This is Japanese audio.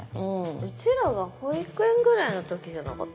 うちらが保育園ぐらいの時じゃなかった？